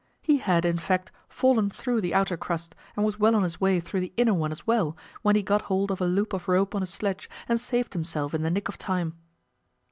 He had, in fact, fallen through the outer crust, and was well on his way through the inner one as well, when he got hold of a loop of rope on his sledge and saved himself in the nick of time.